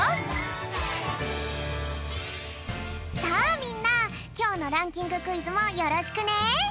さあみんなきょうのランキングクイズもよろしくね！